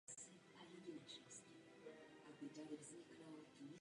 Rychlostní páka byla uvnitř karoserie na pravé straně řidiče.